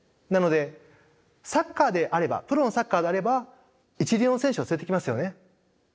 なのでサッカーであればプロのサッカーであれば一流の選手を連れてきますよね。